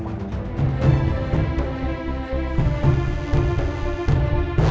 mbak bella apa